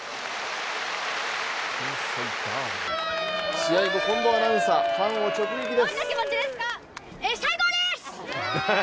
試合後、近藤アナウンサーファンを直撃です。